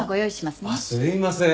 すいません。